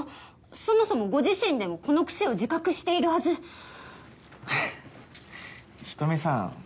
そもそもご自身でもこの癖を自覚しているはず人見さん